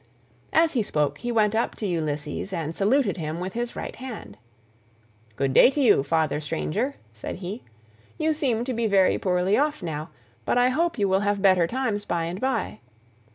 As he spoke he went up to Ulysses and saluted him with his right hand; "Good day to you, father stranger," said he, "you seem to be very poorly off now, but I hope you will have better times by and by.